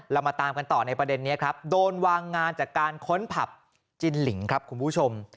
เรามาตามกันต่อในประเด็นนี้ครับโดนวางงานจากการค้นผับจินลิงครับคุณผู้ชม